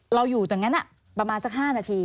อยู่ตรงนั้นประมาณสัก๕นาที